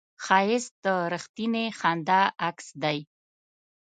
ښایست د رښتینې خندا عکس دی